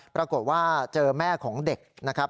ปรากฏว่าเจอแม่ของเด็กนะครับ